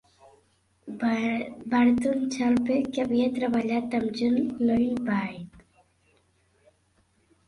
Barton-Chapple, que havia treballat amb John Logie Baird.